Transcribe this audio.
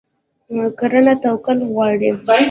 کرنه توکل غواړي.